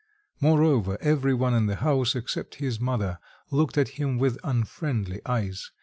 Moreover, every one in the house, except his mother, looked at him with unfriendly eyes.